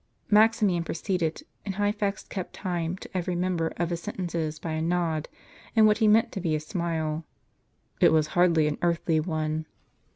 Maximian proceeded, and Hyphax kept time to every member of his sentences by a nod, and what he meant to be a smile ;— it was hardly an earthly one.